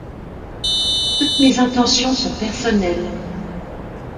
Toutes mes intentions sont personnelles.